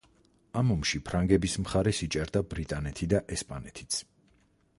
ამ ომში ფრანგების მხარეს იჭერდა ბრიტანეთი და ესპანეთიც.